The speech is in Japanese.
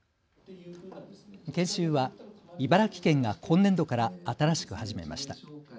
研修は茨城県が今年度から新しく始めました。